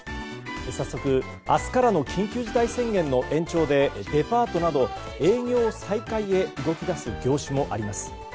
早速、明日からの緊急事態宣言の延長でデパートなど営業再開へ動き出す業種もあります。